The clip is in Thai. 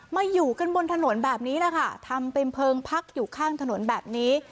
อยู่กันบนถนนแบบนี้แหละค่ะทำเป็นเพลิงพักอยู่ข้างถนนแบบนี้